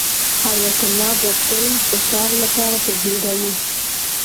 حیات الله به تل د کار لپاره په بیړه و.